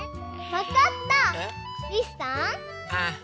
わかった！